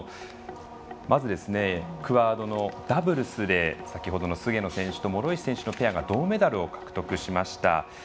まず、クアードのダブルスで先ほどの菅野選手と諸石選手のペアが銅メダルを獲得しました。